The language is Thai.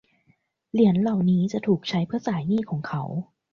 เหรียญเหล่านี้จะถูกใช้เพื่อจ่ายหนี้ของเขา